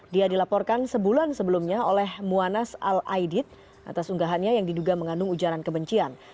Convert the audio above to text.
dia dilaporkan sebulan sebelumnya oleh muanas al aidid atas unggahannya yang diduga mengandung ujaran kebencian